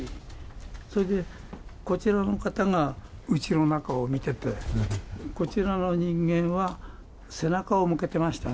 それで、こちらの方が家の中を見ててこちらの人間は背中を向けていましたね。